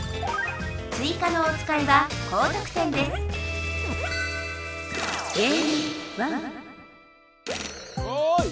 追加のおつかいは高得点ですおい